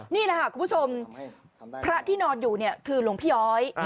นี่แหละค่ะคุณผู้ชมพระที่นอนอยู่เนี่ยคือหลวงพี่ย้อย